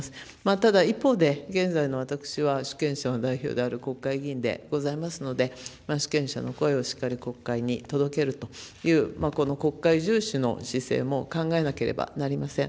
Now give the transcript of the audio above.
ただ一方で、現在の私は主権者の代表である国会議員でございますので、主権者の声をしっかり国会に届けるという、この国会重視の姿勢も考えなければなりません。